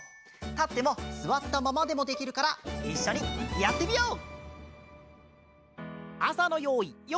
たってもすわったままでもできるからいっしょにやってみよう。